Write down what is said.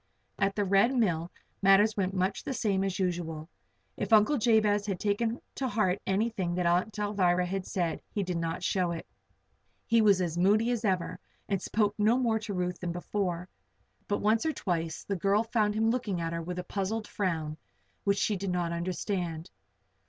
At the Red Mill matters went much the same as usual. If Uncle Jabez had taken to heart anything that Aunt Alvirah had said, he did not show it. He was as moody as ever and spoke no more to Ruth than before. But once or twice the girl found him looking at her with a puzzled frown which she did not understand.